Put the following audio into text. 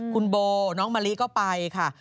คุณโบน้องมะลิก็ไปค่ะ